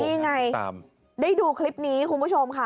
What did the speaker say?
นี่ไงได้ดูคลิปนี้คุณผู้ชมค่ะ